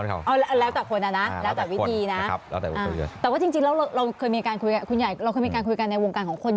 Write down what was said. แล้วแต่วิธีนะแต่ว่าที่จิ๊กคุณหญ่เรามีการคุยกันในวงการของคน